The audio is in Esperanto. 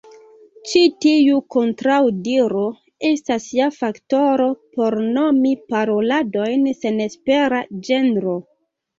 Ĉi tiu kontraŭdiro estas ja faktoro por nomi paroladojn senespera ĝenro.